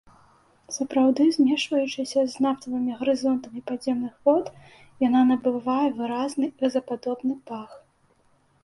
Сапраўды, змешваючыся з нафтавымі гарызонтамі падземных вод, яна набывае выразны газападобны пах.